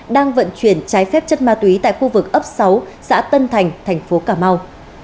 đang vận chuyển trái phép chất ma túy tại khu vực ấp sáu xã tân thành tp ca mau